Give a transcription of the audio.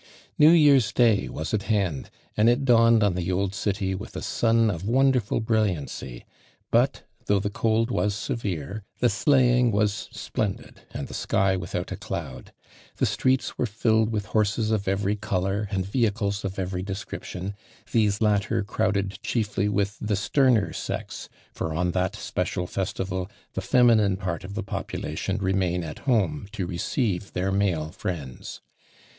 New Year's day was at hand, ami it dawned on the old city with a sun of won derful brilliancy, but, though the cold was severe, the sleighing was splendid and the sky without a cloud. The streets wer« filled with horses of every color and vehi cles of every description, these latter crowd «d chiefly with the sterner sex, for on that special festival, the feminine part of the population remain at home to receive their male friends.